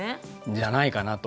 じゃないかなと。